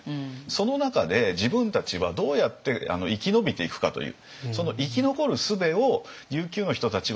その中で自分たちはどうやって生き延びていくかという。